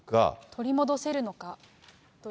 取り戻せるのかと。